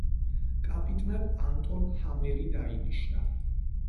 კაპიტნად ანტონ ჰამერი დაინიშნა.